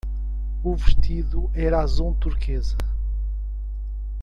O vestido era azul turquesa.